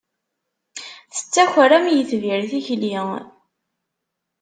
Tettaker am yitbir tikli.